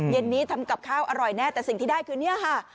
เย็นนี้ทำกับข้าวอร่อยแน่แต่สิ่งที่ได้คือเนี่ยค่ะ